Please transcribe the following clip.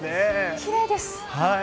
きれいですね。